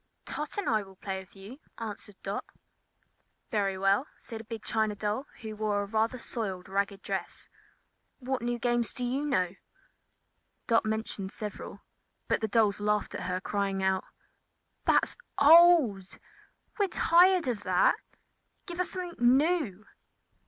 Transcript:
"Tot and I will play with you," answered Dot. "Very well," said a big China doll which wore a rather soiled and ragged dress. "What new games do you know?" Dot mentioned several; but the dolls laughed at her, crying out: "That's old! We're tired of that! Give us something new!"